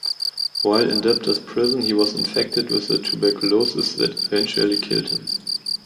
While in debtor's prison he was infected with the tuberculosis that eventually killed him.